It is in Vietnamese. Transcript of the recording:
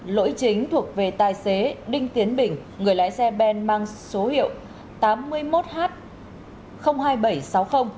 lỗi chính thuộc về tài xế đinh tiến bình người lái xe ben mang số hiệu tám mươi một h hai nghìn bảy trăm sáu mươi